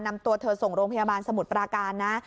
นำตัวเธอส่งโรงพยาบาลสมุทรปราการนะ